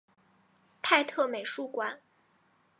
泰特美术馆。